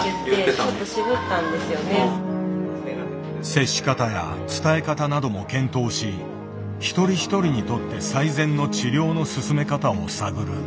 接し方や伝え方なども検討し一人一人にとって最善の治療の進め方を探る。